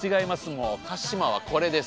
もう鹿島はこれです。